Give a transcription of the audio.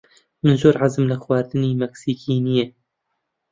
من زۆر حەزم لە خواردنی مەکسیکی نییە.